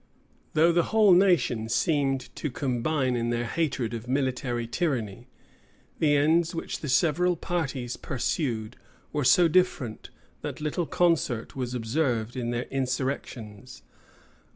Though the whole nation seemed to combine in their hatred of military tyranny, the ends which the several parties pursued were so different, that little concert was observed in their insurrections.